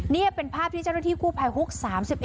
นี่เป็นภาพที่เจ้าหน้าที่กู้ภัยฮุก๓๑